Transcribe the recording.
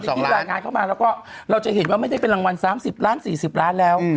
ที่รายงานเข้ามาแล้วก็เราจะเห็นว่าไม่ได้เป็นรางวัล๓๐ล้าน๔๐ล้านแล้ว